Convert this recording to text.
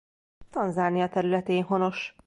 Tanzánia területén honos.